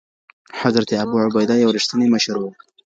حضرت ابو عبيده يو رښتينی مشر و.